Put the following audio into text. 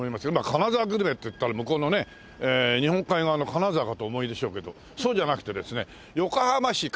金沢グルメっていったら向こうのね日本海側の金沢かとお思いでしょうけどそうじゃなくてですね横浜市金沢区ですか？